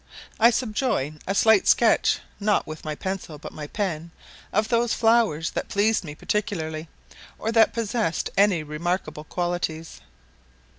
I subjoin a slight sketch, not with my pencil but my pen, of those flowers that pleased me particularly, or that possessed any remarkable qualities.